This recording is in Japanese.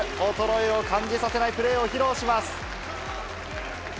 衰えを感じさせないプレーを披露します。